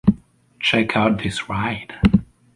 Check Out This Ride!